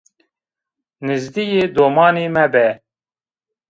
Nêzdîyê domanî mebe!